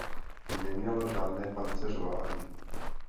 Neměla žádné pancéřování.